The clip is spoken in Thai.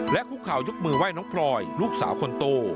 คุกเขายกมือไหว้น้องพลอยลูกสาวคนโต